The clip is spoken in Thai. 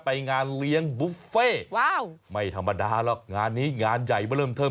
ไปงานเลี้ยงบุฟเฟ่ว้าวไม่ธรรมดาหรอกงานนี้งานใหญ่มาเริ่มเทิม